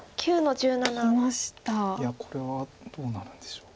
いやこれはどうなるんでしょう。